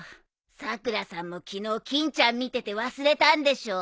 さくらさんも昨日欽ちゃん見てて忘れたんでしょ？